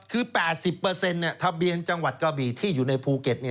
คือ๘๐ทะเบียนจังหวัดกระบีที่อยู่ในภูเก็ต